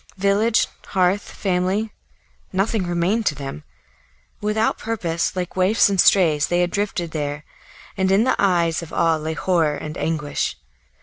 Village, hearth, family nothing remained to them; without purpose, like waifs and strays, they had drifted there, and in the eyes of all lay horror and anguish.